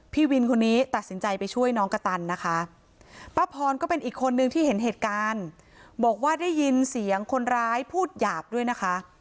พี่วินคนนี้ตัดสินใจไปช่วยน้องกระตันนะคะป้าพรก็เป็นอีกคนนึงที่เห็นเหตุการณ์บอกว่าได้ยินเสียงคนร้ายพูดหยาบด้วยนะคะ